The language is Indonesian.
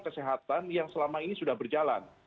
kesehatan yang selama ini sudah berjalan